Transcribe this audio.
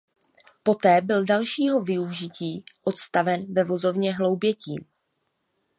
Poté byl dalšího využití odstaven ve vozovně Hloubětín.